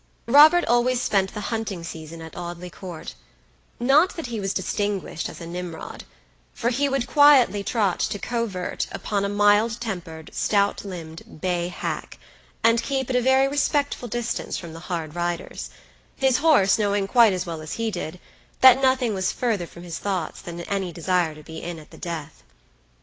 Robert always spent the hunting season at Audley Court; not that he was distinguished as a Nimrod, for he would quietly trot to covert upon a mild tempered, stout limbed bay hack, and keep at a very respectful distance from the hard riders; his horse knowing quite as well as he did, that nothing was further from his thoughts than any desire to be in at the death.